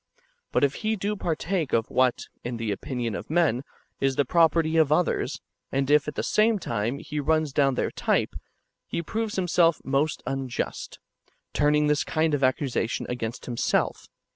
But if he do partake of what, in the opinion of men, is the property of others, and if [at the same time] he runs down their type,^ he proves himself most unjust, turning this kind of accusation against himself.